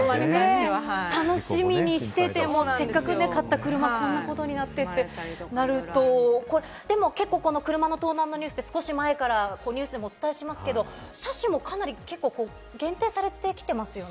楽しみにしてても、せっかく買った車がこんなことになってってなると、結構、車の盗難のニュースって少し前からお伝えしてますけれども、車種も限定されてきてますよね。